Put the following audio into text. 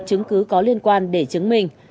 chứng cứ có liên quan để chứng minh